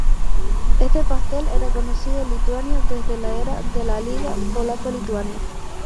Este pastel era conocido en Lituania desde la era de la Liga polaco-lituania.